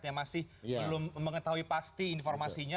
yang masih belum mengetahui pasti informasinya